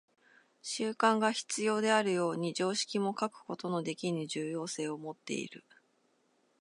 習慣が必要であるように、常識も欠くことのできぬ重要性をもっている。